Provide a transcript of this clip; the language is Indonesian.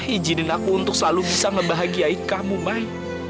ijinin aku untuk selalu bisa membahagiakan umay